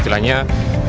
bisa naik di atas